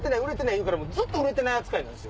言うからずっと売れてない扱いなんです。